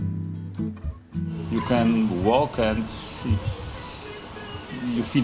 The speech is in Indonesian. kamu bisa berjalan dan merasa aman